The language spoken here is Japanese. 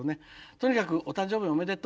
とにかくお誕生日おめでとう。